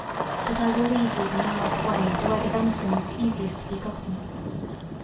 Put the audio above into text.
But I will lead you the nighest way to where the venison is easiest to be gotten.